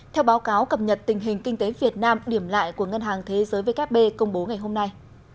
theo báo cáo cập nhật tình hình kinh tế việt nam điểm lại của ngân hàng thế giới vkp công bố ngày hôm nay